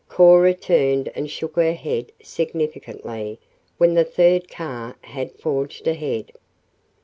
Cora turned and shook her head significantly when the third car had forged ahead.